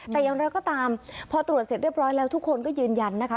แต่อย่างไรก็ตามพอตรวจเสร็จเรียบร้อยแล้วทุกคนก็ยืนยันนะคะ